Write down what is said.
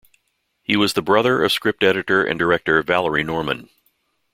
He was the brother of script editor and director Valerie Norman.